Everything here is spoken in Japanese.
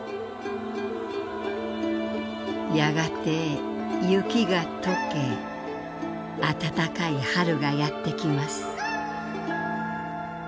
「やがて雪が溶け暖かい春がやってきます」。